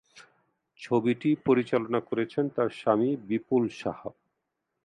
ছবিটি পরিচালনা করেছেন তার স্বামী বিপুল শাহ।